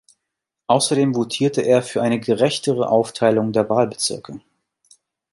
Außerdem votierte er für eine gerechtere Aufteilung der Wahlbezirke.